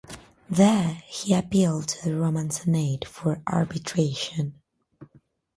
There he appealed to the Roman Senate for arbitration.